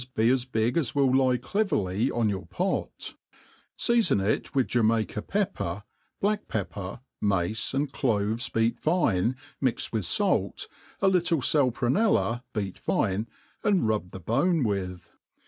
be as big as will lie cleverly on you^ pot), feafon it with Jamaita pepper, black^pepper, mace^ and cloves beat fine, mixed with falt^ a little (al prunella beat fine^ and rub the bone with.